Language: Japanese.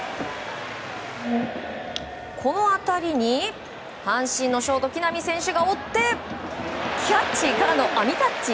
この当たりに阪神のショート、木浪選手が追ってキャッチ！からの網タッチ！